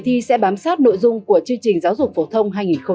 đề thi sẽ bám sát nội dung của chương trình giáo dục phổ thông hai nghìn một mươi tám